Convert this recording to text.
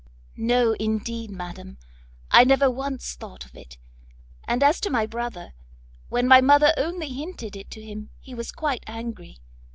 "No indeed, madam, I never once thought of it; and as to my brother, when my mother only hinted it to him, he was quite angry.